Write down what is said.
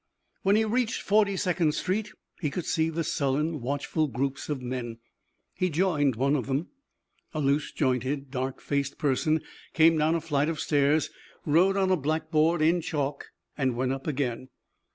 When he reached Forty second Street he could see the sullen, watchful groups of men. He joined one of them. A loose jointed, dark faced person came down a flight of stairs, wrote on a blackboard in chalk, and went up again.